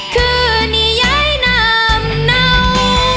คือนิยายนามเนา